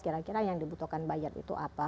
kira kira yang dibutuhkan buyer itu apa